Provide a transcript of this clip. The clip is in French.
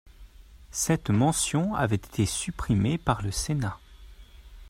Cette mention avait été supprimée par le Sénat.